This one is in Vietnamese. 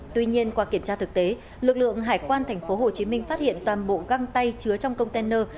tuy nhiên qua kiểm tra thực tế lực lượng hải quan tp hcm phát hiện toàn bộ găng tay chứa trong container